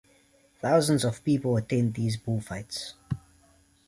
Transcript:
Thousands of people attend these bullfights.